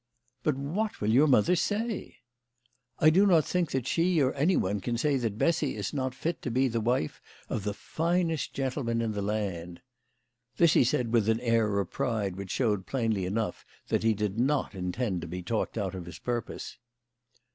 " But what will your mother say ?"" I do not think that she or anyone can say that Eessy is not fit to be the wife of the finest gentleman in the land." This he said with an air of pride which showed plainly enough that he did not intend to be talked out of his purpose.